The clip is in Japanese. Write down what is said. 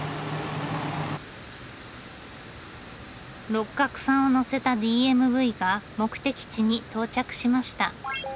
六角さんを乗せたＤＭＶが目的地に到着しました。